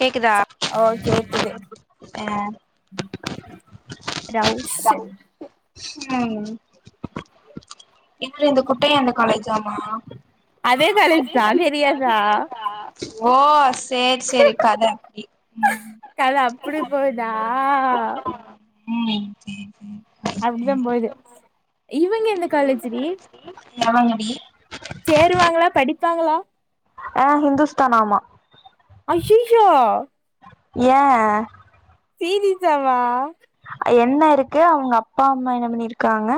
கேக்குதா ஓ கேக்குது அ ரவுஷு உம் இது இந்த குட்டையா இருந்த காலேஜாமா அதே காலேஜ் தா தெரியாதா ஓ ஸ். சேரி சேரி. கத அப்டி ம் கத அப்படி போகுதா. உம். அப்டித்தா போகுது. இவங்க எந்த காலேஜிடி. வி. சேருவாங்களா படிப்பாங்களா. ஆ ஹிந்துஸ்தான் ஆமா. ஐயையோ. ஏ சீரியசாவா. என்ன இருக்கு அவங்க அப்பா அம்மா என்ன பண்ணி இருக்காங்க.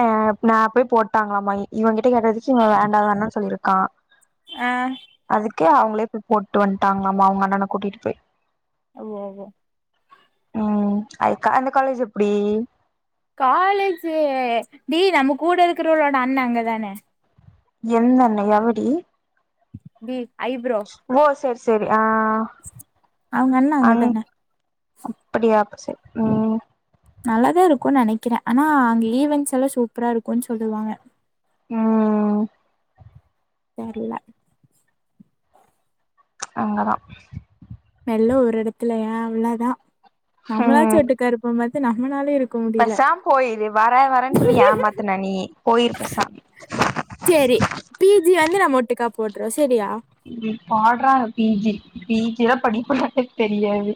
ஆஹ் நா போய் போட்டாங்களாமா இவ கிட்ட கேட்டதுக்கு இவ வேண்டா வேண்டா சொல்லிருக்கா ஆஹ் கு அவங்களே போய் போட்டு வந்ட்டாங்களாமா அவங்க அண்ணன கூட்டிட்டு போய் ஓ ஓ உம் அது க அந்த காலேஜ் எப்டி காலேஜு டி நம்ம கூட இருக்கறவளோட அண்ண அங்க தான எந்த அண்ண எவடி டி ஐப்ரோ செரி அவங்கண்ணா அங்க தான அப்படியா நல்லாதா இருக்கு நெனைக் கிறே ஆனா அங்க ஈவன்ஸ் எல்லா சூப்பரா இருக்குன் சொல்லுவாங்க. உம் தெர்ல அங்க தா எல்லா ஒரு எடத்துலயா அவ்ளோ தா நம்மளாச்சு ஒட்டுக்கா இருப்போமா து நம்மளாலே இருக் பேசாம் போயிரு வர வரன்னு சொல்லி ஏமாத்துன நீ போயிருப்பசா ந்து நம்ம ஒட்டுக்கா போட்ற ஸ் இங் பாட்றா பீ ஜி பீ ஜி எலா படிக்க மாட்ட. தெரியாது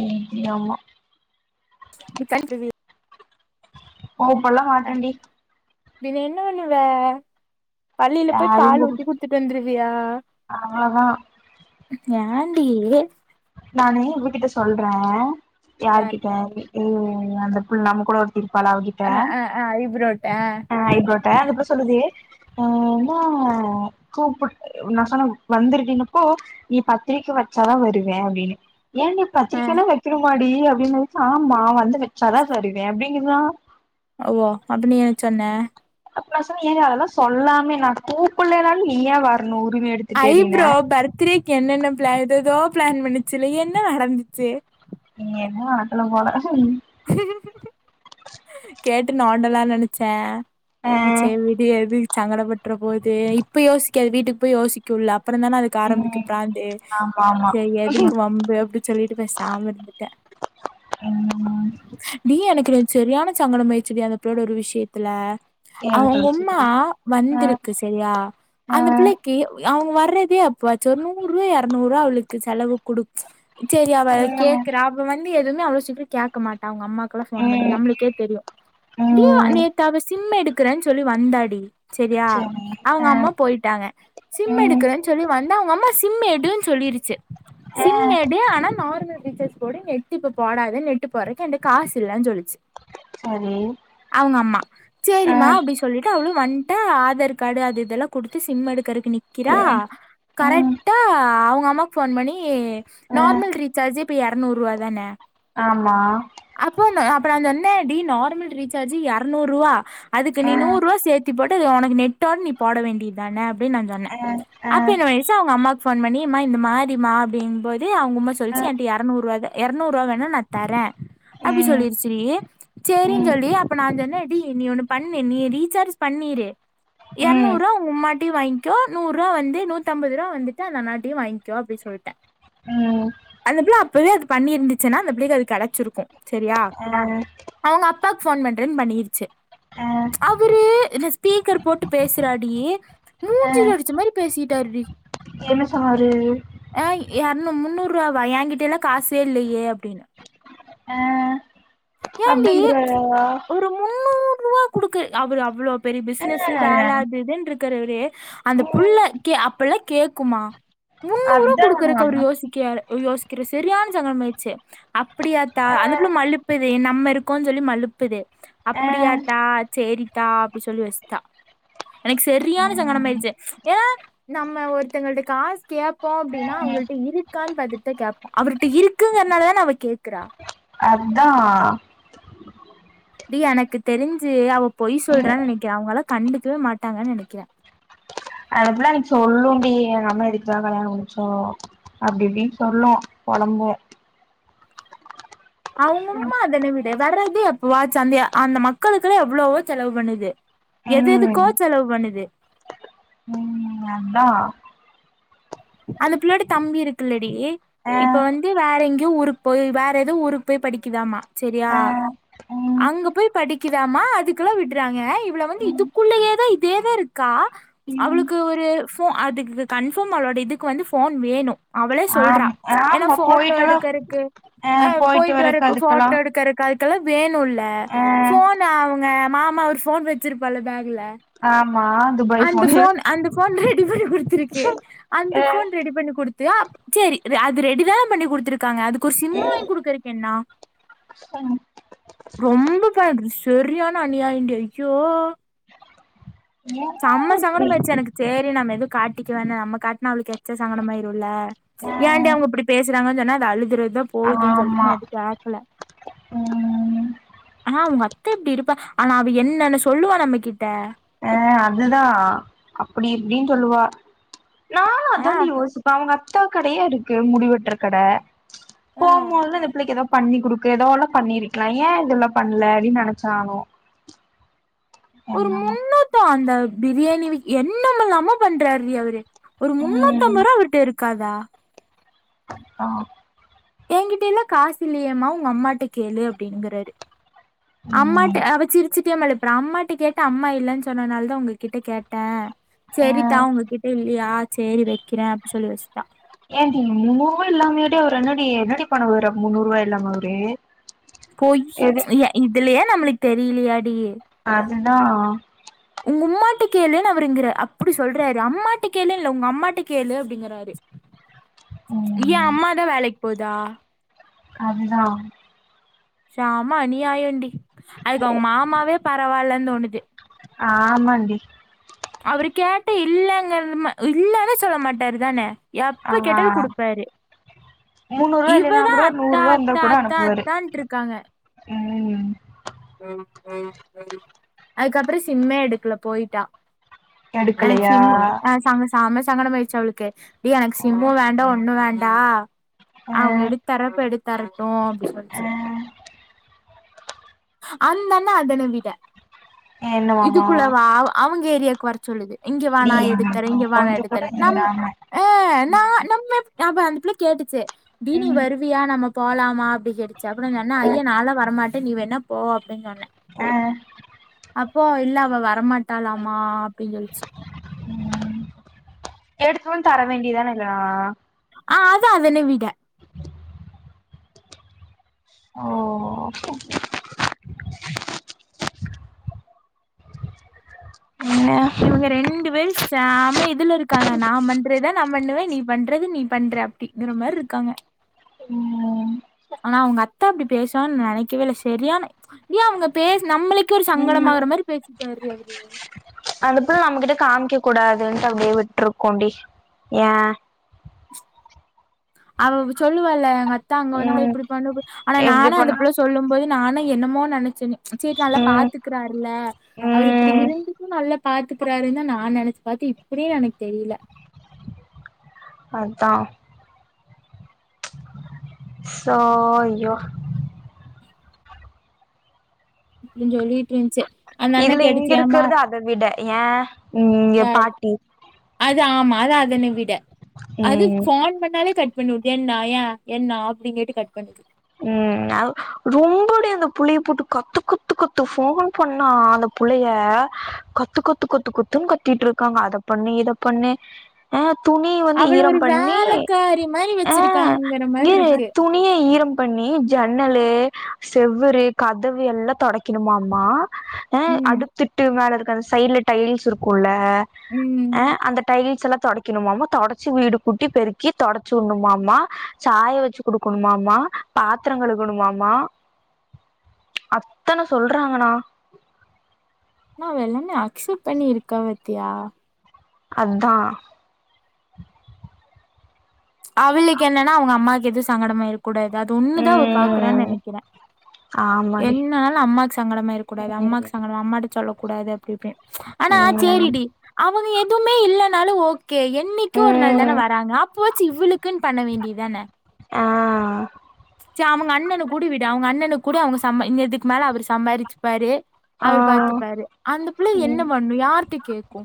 உம். ய ஆம்மா [unintelligible] ஓ இப்பல்லா மாட்டண்டி [unintelligible] என்ன வன்னுவ பள்ளியில போய் யாரையு பால் கூப் ஊத்தி குடுத்துட்டு வந்துருவியா அவ்ளோதா யாண்டி நானே இவகிட்ட சொல்றே யார்கிட்ட யார்ட்ட [unintelligible] ம் அந்த புள்ள நம்ம கூட ஒ இருப்பாலா அவகிட்ட அ அ அ ஐப்ரோட்ட ஆ ஐப்ரோட்ட அந்தப்புல்ல சொல்லுது [unintelligible] கூப்புட்டு நா சொன்ன வந்துருடின்னப்போ நீ பத்திரிக்க வச்சாதா வருவே அப்டின்னு ஏன்டி அ பத்திரிக்கைளா வெக்கனுமாடி அப் அப்புடினதுக்கு ஆமா வந்து வச்சாதா சரிவே அப்டிங்கிறா வோ அப்ப நீ என சொன்ன அப்ப நா சொன்னே ஏங்க அதெல்லா சொல்லாமே நாங்க கூப்புள்ளனாலு நீயா வர்னு ஐப்ரோ பர்த்டேக்கு என்னென்ன ப்ளான் எதேதோ ஃப்ளான் பண்ணிச்சுல என்ன நடந்துச்சு நீ என்ன [unintelligible] போல கேட்டு நோன்டெல்லானு நெனச்சே ஆ றோ செரி விடு எதுக் சங்கடப் பற்றுரபோது இப்ப யோசிக்காது வீட்டுக்கு போய் யோசிக்கூல அப் அப்பறந் தான அதுக்கு ம் ஆரம்பிக்கும் ப்ரான்ந்தே ஆமா ஆமா செரி எதுக்கு வம்பு அப்டின்னு சொல்லிட்டு பேசாம இருந்துட்டே ம் ம் ப்ரெண்ட்ஸ் சரியான சங்கடமாயிற்சுடி அந்த புள்ளையோட ஒரு விஷயத்துல ஏழு கழிச்சு அவுங்கொம்மா ஆ வந்துருக்கு செரியா ஆ அந்த பிள்ளைக்கி அவுங்க வர்றதே அப் இப்பவாச்சு ஒரு நூறு இரநூறு அவளுக்கு செலவுக்கு குடுத் செரி அவ ம் கேக்குறா அப்ப வந் எதுவுமே அவ்ளோ சீக்கிரோ கேக்க மாட்டா அவுங்க அம்மாக் [unintelligible] நீ ம் நம்மளுக்கே தெரியு ம் த்தாவ சிம் எடுக்கறேன்னு சொல்லி வந்தாடி செரியா செரி அவுங்க ஆ அம்மா போயிட்டாங்க சிம் ம் எடுக்குறனு சொல்லி வந்து அவுங்க அம்மா சிம் எடுன்னு சொல்லிருச்சு ஆ சிம் எடு ஆனா நார்மல் ரீசார்ஜ் போடு நெட் இப்ப போடாத நெட் போறக்கு ஏன்ட்ட காசு இல்ல சொ சரி அவுங்க அம்மா ஆ சேரிம்மா அப்டின்னு சொல்ட்டு அவளு வன்ட்டா ஆதார் கார்ட்டு அது இதெல்லா குடுத்து சிம்மெடுக்கறத்துக்கு நிக்கிறா ம் ம் கரெக்ட்டா உங்க அம்மாவுக்கு ஃபோன் பண்ணி ஆ நார்மல் ரீச்சார்ஜி இப்ப எரநூரூவா தான ஆமா ஃபோனு அப் அப்றோ நா சொன்னே டி நார்மல் ரீசார்ஜ் எரநூறுவா அதுக்கு ஆ நீ நூறுவா சேத்தி போட்டு இது உனக்கு நெட்டோட நீ போட வேண்டிதான அப்டின்னு நா சொன்னே ஆ ஆ அப்டின்னு [unintelligible] அவுங்க அம்மாக்கு ஃபோன் பண்ணி மா இந்த மாரிமா அப்டின்னும்போது அவுங்கம்மா ஆ சொல்லிச்சு ஏன்ட்ட எரநூறூவாதா எரநூறூவா வேணா நா தரே அப்டி ம் சொல்லிருச்சு த்ரி சேரின் ம் சொல்லி அப்ப நா சொன்னே டி நீ ஒண்ணு பண்ணு நீ ரீசார்ஜ் பண்ணிரு ம் எரநூறுவா உங்க அம்மாட்டுயு வாங்கிக்கோ நூறுவா வந்து நூத்தம்பது ரூவா வந்துட்டு அந்த அண்ணாட்டயு வாங்க்கோ அப்டின்னு சொல்ட்டே ம் அந்த புள்ள அப்பவே அது பண்ணிருந்துச்சுன்னா அந்த புள்ளைக்கு அது கெடச்சிருக்கு சேரியா ஆ அவுங்க அப்பாக்கு ஃபோன் பண்றேன்னு பண்ணிருச்சு ஆ அவுரு இந்த ஸ்பீக்கர் போட்டு பேசுறாடி ஆ மூஞ்சில அடிச்ச மாரி பேசிட்டாருடி என்ன சொன்னாரு எரநூ முன்னூறுபாவா ஏங்கிட்டேல்லா காசே இல்லயே அப்டின்னு அப்டிங்குறாரா றூவா குடுக்கு அவரு அவ்ளோ பெரிய பிஸ் ஸ் ஆ வேல அது இதுன்னு இருக்கறவரு அந்த புள்ள ம் கே அப்பல்லா கேக்குமா முந்நூறுவா அதா குடுக்குறக்கு அவரு யோசிக்காரு யோசிக்கிற சரியான சங்கடமாயிச்சு அப்டியாத்தா ஆ அந்த புள்ள மலு ப்புது நம்ம இருக்கோன் சொல்லி மலுப்புது ஆ அப்டியாத்தா சேரித்தா அப்டி சொல்லி வச்சுட்டா எனக்கு சரியான ம் சங்கடமாயிருச்சு ஏனா நம்ம ஒருத்தங்கள்ட்ட காசு கேப்போ அப்டின்னா ம் அவங்கள்ட்ட இருக்கான் பாத்துட்டுதா கேப்போ அவர்ட்ட இருக்குங்கறனாலதான அவ கேக்குறா அதா டி எனக்கு தெரிஞ்சு அவ பொய் ம் சொல்றான்னு நெனைக்கிற அவங்களா கண்டுக்கவே மாட்டாங்கன்னு நெனைக்கிற அந்த புள்ள அன்னைக்கி சொல்லூன்டி எங்க அம்மா எதுக்குதா கல்யாண முடிச்சோ அப்டி இப்டின்னு சொல்லு பொழம்பு அவங்கம்மா அதென்ன விடு வர்றது எப்போவாச்சு அந்த அந்த மக்களுக்குல்லா எவ்வளவோ செலவு பண்ணுது எது எதுக்கோ ம் செலவு பண்ணுது நாந்தா அந்த பிள்ளோயட தம்பி இருக்குல்லடி அ இப்ப வந்து வேற எங்கயோ ஊருக்கு போய் வேற எதோ ஊருக்கு போய் படிக்குதாம்மா சரியா அ ம் அங்க போய் படிக்குதாமா அதுக்கெல்லா விடுறாங்க இவள வந்து ம் இதுக்குள்ளயேதா இதேதா இருக்கா ம் அவளுக்கு ஒரு ஃபோ அதுக்கு கன்ஃபர்ம் அவளோட இதுக்கு வந்து ஃபோன் வேணு அவளே சொல்றா ஆம் ஏனா ஆமா ஃபோட்டோ போயிட்டெல்லா எடுக்கறக்கு ஆ போயிட்டு வரக்கு ஃபோட்டோ எடுக்கறக்கு அதுக்கெல்லா வேனுல்ல அ ஃபோன் அவ் மாமா ஒரு ஃபோன் வச்சிருப்பார்ல பேக்ல ஆ அந்த ஃபோன் அந்த ஃபோன் ரெட் டிபனகுருத் இருக்கு அந்த அ ஃபோன் ரெடி பண்ணி குடுத் [unintelligible] சேரி அது ரெடிதான பண்ணி குடுத்துருக்காங்க அதுக்கு ஒரு சிம் வாங்கி குடுக்குறக்கு என்னா ம் ரொம்ப ப சரியான அநியாயண்டி ஐயோ என்ன செம்ம இப்டி சங்கடமாயிருச்சு எனக்கு சேரி நம்ம எதுவு காட்டிக்க வேணா நம்ம காட்னா அவளுக்கு எச்ச சங்கடமாயிருல்ல அ ஏன்டி அவங்க இப்டி பேசுறாங்கன் சொன்னா அது அழுதுறதுதா போதுன்னு சொல்ட்டு ஆமா நா எது கேக்கல ம் ஆனா உங்க அத்த இப்டி இருப்பா ஆனா அவ என்னன்னு சொல்லுவா நம்ம கிட்ட அ அதுதா அப்டி இப்டின் சொல்லுவா நானு ஆனா அதான்டி யோசிப்ப அவங்க அத் த்தா கடயே இருக்கு முடிவெட்ற கட ஆ போம்போது இந்த பிள்ளைக் எதா பண்ணி குடுக்க இதோட பண்ணிருக்கலா ஏன் இதெல்லா பண்ணல அப்டின்னு நெனைச்சானு ஒரு என்னமோ முன்னூத்தோ அந்த பிரியாணி விக் என்னமலாமோ பண்றாருடி அவுரு ஒரு முன்னூத்த ம் அம்பதுருவா அவுருகிட்ட இருக்கு க்கதா ஆஹ் என்கிட்டல்லா காசு இல்லயேமா உங்க அம்மாட்ட கேளு அப்டின்ங்குறாரு ம் அம்மாட்ட அவ சிரிச்சிட்டே மழுப்புறா அம்மாட்ட கேட்ட அம்மா இல்லைன்னு சொன்னனால தா உங்கக்கிட்ட கேட்டே செரிதா உங்கக்கிட்ட இல்லையா செரி வைக்கிறே அப்டின்னு சொல்லி வெச்சுட்டா ஏன்டி முன்னூறு ரூவாய் இல்லாமையாடி அவுரு என்னடி என்னடி பன்னுவாரு முன்னூறு ரூபாய் இல்லாம அவரு போய் எது [unintelligible] இதுலயே நம்மளுக்கு தெரியலையாடி அதுதா ட்டு கேளுன்னு அவுருங்குற அப்புடி சொல்றாரு அம்மாட்ட கேளு இல்ல உங்க அம்மாட்ட கேளு அப்புடிங்கறாரு ஏன் ம் அம்மாதா வேலைக்கு போதா அதுதா ஷாம அனியாம் டி அதுக்கு அவுங்க மாமாவே பரவால்ல தோணுது ஆமாண்டி அவுரு கேட்டா இல்லங்கறதம இல்லனே சொல்ல மாட்டாரு தானே ஆ எப்ப கெட்டாலு கொடுப்பாரு முன்னூறுவா இல்லன்னா இவதா கூட அத்தா நூறுவா இருந்தா அத்தா கூட அத்தா அனுப்புவாரு அத்தான்ட்டு இருக்காங்க ம் அதுக்கப்புறோ சிம்மே எடுக்கல போயிட்டா எனக்கு எடுக்கலையா சி்ம்மு ஹ சம சாம சங்கடமாயிருச்சி அவளுக்கு ஏய் எனக்கு சிம்மு வேண்டா ஒன்னு வேண் டா அ அவங்க எடுத்து தரப்ப எடுத்து தர ட்டும் அப் அ சொல்ட்டு அந்தண்ணா அத நம்பிட்டார் என்னவாமா இதுக்குள்ளவா அவங் ஏரியாக்கு வரச் சொல்லுது இங்க டி வாணா எடுத்தறேன் எனக்கு இங்க வாணா கொஞ்ச கூட எடுத்தரேன் நம்ம இல்லாம ஆஹ் நான் நம்ம நான்ப்ப அந்த புள்ள கேட்டுச்சு தீனி ம் வருவியா நம்ம போலாம்மாப் கேட்டுச்சி அப்றம் நான் சொன்ன அ ஐயோ நாளா வரமாட்டே நீவேன்னாப் போ அப்டின் சொன்னன் ஆஹ் அப்போ இல்ல அவ வரமாட்டாலாமா அப்டின் சொல்ச்சு உம் எடுத்வன்னு தர வேண்டியதானே கா ஆஹ் அதான் அதனே விட ஓ என்ன இவங்க ரெண்டு பேரும் செம்ம இதுல இருக் காங்க நா பண்றதான் நான் பண்ணுவேன் நீ பண்ற நீ பண்ற அப்டிங்கற மாரி இருக்காங்க உம் ஆனா அவங்க அத்தா அப்டி பேஸ்வாங்ன்னு நெனைக்கவே இல்ல செரியானா நீயா அவுங்க பேஸ் நம்ப்ளே கே ஒரு ம் சங்கடமாகுற மேரி பேசுது சேரி அவரு ஏன் அந்த புள் நம்மகிட்ட காமிக்க கூடாதுன்ட்டு அப்டியே விட்ருக்கோண்டி ஏன் அவ சொல்லுவால இது மாரி அத்தா அங்க வந்து ம் இப்படி பண்ணுபோத் ஆனா எப்டி நானும் அந்த பண்ண புள்ள சொல்லும் போது நானு என்னமோ நெனச்சேன்னு சேர் நல்லா ம் பாத்துக்கிறார்ல அவரு இப்டி ம் இருந்துக்கும் நல்லப் பாத்துக்கிறாரு தான் நா நெனச்சி பாத்து இப்டியே எனக் தெரியில அத்தான் சோ ஐயோ அப்டின் சொல்லிட்ருந்துச்சு இதுல இங்கிருக்கறது அத விட ஏன் நீங்கப் பாட்டி அது ஆமா அதான் அதன விட அது ம் ஃபோன் பண்ணாலே கட் பண்ணிவுட் என்னா ஏன் என்னா அப்டின் கேட்டு கட் பண்ணுது உம் அவ் ரொம்பொடி அந்த புள்ளையப் போட்டு கத்தக் கத்து கத்து ஃபோன் பண்ணா அந்த புள்ளேய கத்து கத்து கத்து கத்துன்னு கத்திட்ருக்காங்க அத பண்ணு இத பண்ணு ஆஹ் துணி வந்து அவள ஈரம் ஒரு பண்ணி வேலக்காரி மாரி ஆ வச்சிருக்காங்கற மாரி இங்கேரு இருக்கு துணியே ஈரம் பண்ணி ஜன்னலு செவ்வுறு கதவு எல்லாத் தொடைக்கணுமமா ஆ ம் அடுத்திட்டு மேலருக் ஆ சைட்ல டைல்ஸ் இருக்குல்ல ம் அ அ அந்த டைல் சிலா தொடைக்கணுமாமா தொடச்சி வீடு கூட்டி பெருக்கி தொடச்சிவுணுமாமா சாய வச்சி குடுக்கணுமாமா பாத்தர கலுங்கோணுமாமா அத்தன சொல்றாங்கணா ஆனா அவ எல்லாமே அக்செப் பண்ணி இருக்கா பாத்தியா அதா அவளுக்கு என்னன்னா அவுங்க அம்மாக்கு எதுவு சங்கடமாயிரு கூடாது அது ஒண்ணுதா அவ பாக்குறான் ம் நெனக்கிறே ஆமாடி என்னால அம்மாக்கு சங்கடமாயிரக்கூடாது அம்மாவுக்கு சங்கடம் அம்மாட்ட சொல்லக் கூடாது அப் [unintelligible] ஆனா ம் சேரிடி அம் எதுவுமே இல்லனாலு ஓக் கே என்னைக்கே ஒரு நாள் தான ம் வராங்க அப்போ சி இவுளுக்கு குன் பண்ண வேண்டியதான ஆ சரி அவங்க அண்ணன் கூட விடு அவுங்க அண்ணனு கூடி விடு அவுங்க அண்ணணுக் குடு அவுங்க சம் இதுக்கு மேலே அவர் சம்பாரிச்சிப்பாறு ஆ அவர் பாத்துப்பாரு அந்த பிள்ள ம் என்ன பண்ணு யார்ட்ட கேக்கு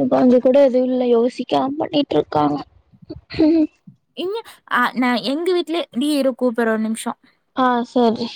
இப்ப அங்க கூட எதும் இல்லை யோசிக்காம பண்ணிட்டு இருக்காங்க ம் இங்க அ நா எங்க வீட்லயே டி இருகுப்புற ஒரு நிம்ஷோ ஆ செரி